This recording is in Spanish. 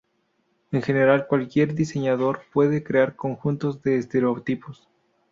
En general, cualquier diseñador puede crear conjuntos de estereotipos.